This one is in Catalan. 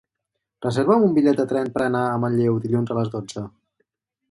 Reserva'm un bitllet de tren per anar a Manlleu dilluns a les dotze.